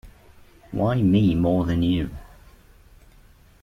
Why me more than you?